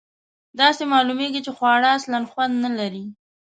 داسې معلومیږي چې خواړه اصلآ خوند نه لري.